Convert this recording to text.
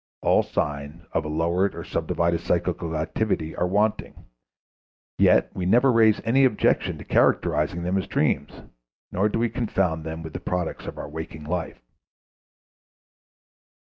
All signs of a lowered or subdivided psychical activity are wanting. Yet we never raise any objection to characterizing them as dreams, nor do we confound them with the products of our waking life.